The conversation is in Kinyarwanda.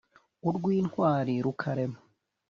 Urw' intwari rukarema;